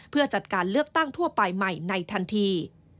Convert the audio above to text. เพื่อจัดการเลือกตั้งทั่วไปใหม่ในทันที